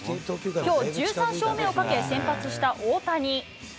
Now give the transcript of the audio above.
きょう、１３勝目をかけ、先発した大谷。